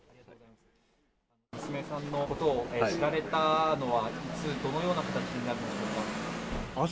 娘さんのことを知られたのは、いつ、どのような形になるのでしょうか？